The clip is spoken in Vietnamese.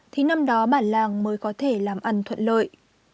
thì năm đó bản làng mới có thể làm ăn thuận lợi